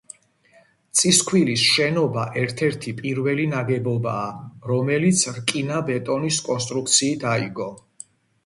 წისქვილის შენობა ერთ-ერთი პირველი ნაგებობაა, რომელიც რკინა-ბეტონის კონსტრუქციით აიგო.